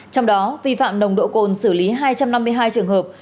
trong đó vi phạm nồng độ cồn xử lý hai trăm năm mươi hai trường hợp